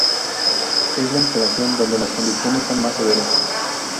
Es la instalación donde las condiciones son más severas.